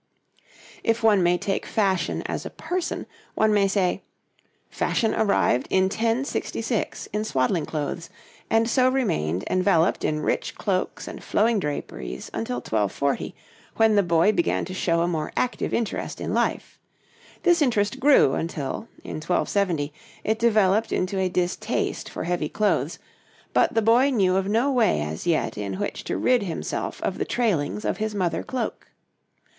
] If one may take fashion as a person, one may say: Fashion arrived in 1066 in swaddling clothes, and so remained enveloped in rich cloaks and flowing draperies until 1240, when the boy began to show a more active interest in life; this interest grew until, in 1270, it developed into a distaste for heavy clothes; but the boy knew of no way as yet in which to rid himself of the trailings of his mother cloak.